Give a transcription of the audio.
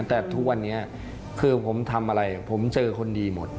แต่ทุกวันนี้คือผมทำอะไรผมเจอคนดีหมด